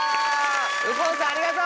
右近さんありがとう！